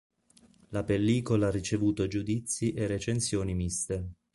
La pellicola ha ricevuto giudizi e recensioni miste.